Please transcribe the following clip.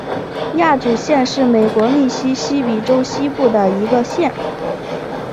亚祖县是美国密西西比州西部的一个县。